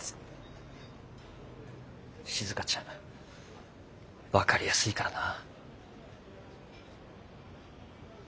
しずかちゃん分かりやすいからな。